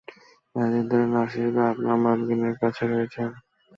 কতদিন ধরে নার্স হিসেবে আপনার মালকীনের কাছে রয়েছেন?